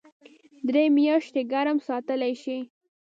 درې میاشتې ګرم ساتلی شي .